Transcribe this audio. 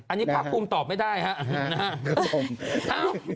อันนี้ภาคภูมิตอบไม่ได้ครับผม